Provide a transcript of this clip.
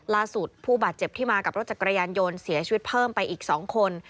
ผู้บาดเจ็บที่มากับรถจักรยานยนต์เสียชีวิตเพิ่มไปอีก๒คน